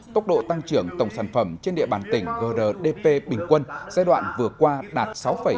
tốc độ tăng trưởng tổng sản phẩm trên địa bàn tỉnh grdp bình quân giai đoạn vừa qua đạt sáu bảy